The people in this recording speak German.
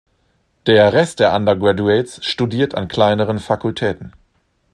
Der Rest der "undergraduates" studiert an kleineren Fakultäten.